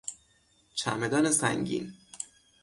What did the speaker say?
چمدان سنگین